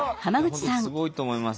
本当にすごいと思います。